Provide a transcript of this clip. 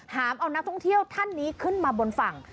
หามเอานักท่องเที่ยวท่านนี้ขึ้นมาบนฝั่ง